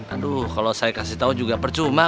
aduh kalau saya kasih tahu juga percuma